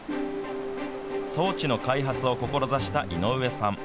装置の開発を志した井上さん。